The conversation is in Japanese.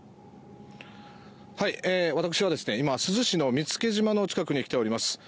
私は今、珠洲市の見附島の近くに来ております。